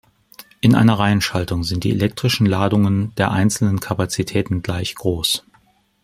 In einer Reihenschaltung sind die elektrischen Ladungen der einzelnen Kapazitäten gleich groß.